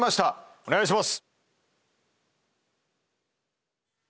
お願いします。